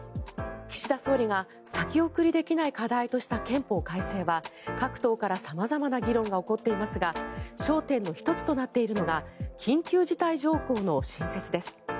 岸田総理が先送りできない課題とした憲法改正は各党から様々な議論が起こっていますが焦点の１つとなっているのが緊急事態条項の新設です。